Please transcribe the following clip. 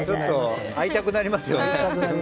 会いたくなりますよね。